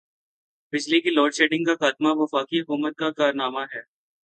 بجلی کی load shedding کا خاتمہ وفاقی حکومت کا کارنامہ ہے۔